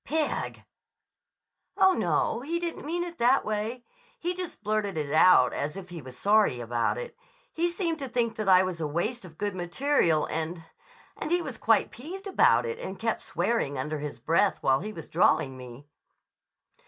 "Pig!" "Oh, no. He didn't mean it that way. He just blurted it out as if he was sorry about it. He seemed to think that I was a waste of good material and—and he was quite peeved about it and kept swearing under his breath while he was drawing me."